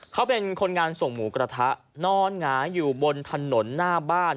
เขาเป็นคนงานส่งหมูกระทะนอนหงายอยู่บนถนนหน้าบ้าน